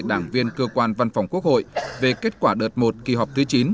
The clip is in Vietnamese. đảng viên cơ quan văn phòng quốc hội về kết quả đợt một kỳ họp thứ chín